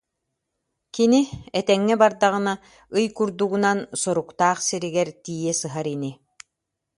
Кини, этэҥҥэ бардаҕына, ый курдугунан соруктаах сиригэ тиийэ сыһар ини